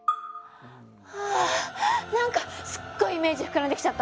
あ何かすっごいイメージ膨らんできちゃった！